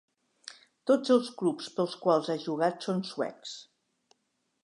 Tots els clubs pels quals ha jugat són suecs.